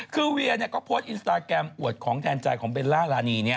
คือเวียนะก็เพิ้ลอินสตาร์แกรมอวดของแทนจ่ายของเบลลล่าฬานีเนี้ย